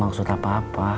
maksud aku gak ada apa apa